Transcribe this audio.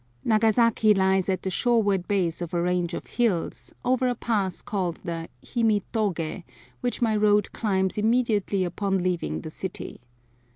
Nagasaki lies at the shoreward base of a range of hills, over a pass called the Himi toge, which my road climbs immediately upon leaving the city.